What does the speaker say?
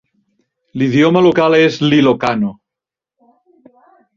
L'idioma local és l'ilocano.